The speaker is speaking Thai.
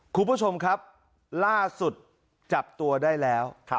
คุณผู้ชมครับล่าสุดจับตัวได้แล้ว